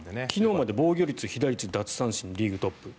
昨日まで被打率防御率、奪三振、リーグトップ。